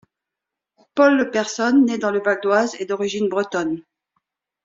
Paul Le Person, né dans le Val-d'Oise, est d'origine bretonne.